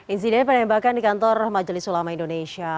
insiden penembakan di kantor majelis ulama indonesia